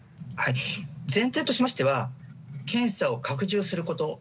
全体としては検査を拡充すること。